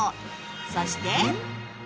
そして